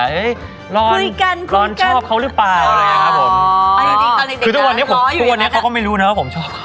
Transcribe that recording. คุยกันคุยกันร้อนชอบเขาหรือเปล่าอะไรแบบนี้ครับผมคือตอนนี้เขาก็ไม่รู้นะว่าผมชอบเขา